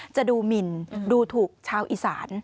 จะดูหมินดูถูกชาวอีสาน